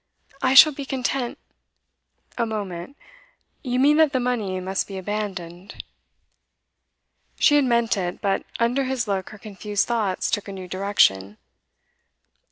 I shall be content ' 'A moment. You mean that the money must be abandoned.' She had meant it, but under his look her confused thoughts took a new direction.